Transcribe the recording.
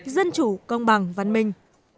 dân chủ công bằng văn minh